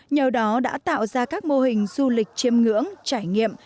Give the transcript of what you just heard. nhờ đó đã tạo ra các mô hình du lịch chiêm ngưỡng trải nghiệm